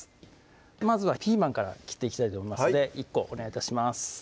まずはピーマンから切っていきたいと思いますので１個お願い致します